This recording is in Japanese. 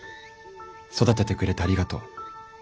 育ててくれてありがとう。